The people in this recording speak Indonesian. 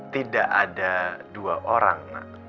tidak ada dua orang